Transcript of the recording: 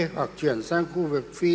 hoặc chuyển sang khu vực phi